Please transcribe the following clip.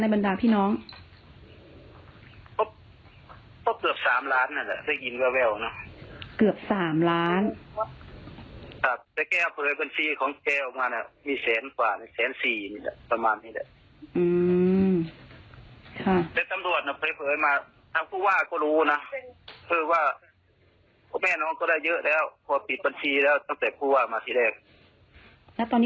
ไม่ได้ปิดนะเพราะว่าเขาอ้างว่าบัญชีนี้เขาเปิดใช้หนี้ใช้อะไร